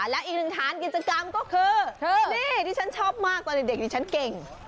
และอีกหนึ่งฐานกิจกรรมก็คือนี่ที่ฉันชอบมากตอนเด็กดิฉันเก่ง